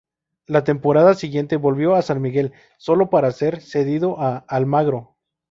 La temporada siguiente volvió a San Miguel, solo para ser cedido a Almagro.